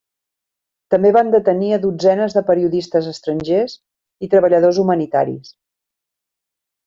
També van detenir a dotzenes de periodistes estrangers i treballadors humanitaris.